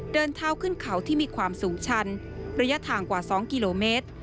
เดินเท้าขึ้นเขาที่มีความสูงชันระยะทางกว่า๒กิโลเมตร